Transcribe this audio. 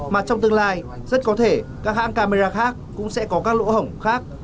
mà trong tương lai rất có thể các hãng camera khác cũng sẽ có các lỗ hổng khác